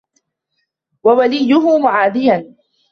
وَوَلِيُّهُ مُعَادِيًا